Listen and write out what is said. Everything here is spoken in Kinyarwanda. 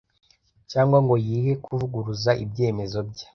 cyangwa ngo yihe kuvuguruza ibyemezo bye